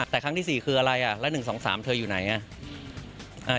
แต่ครั้งที่๔คืออะไรแล้ว๑๒๓เธออยู่ไหน